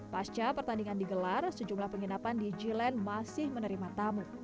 pasca pertandingan digelar sejumlah penginapan di gland masih menerima tamu